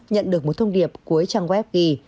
nhận được một thông điệp cuối trang web ghi